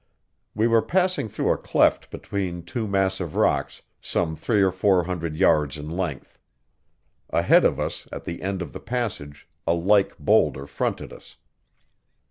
We were passing through a cleft between two massive rocks, some three or four hundred yards in length. Ahead of us, at the end of the passage, a like boulder fronted us.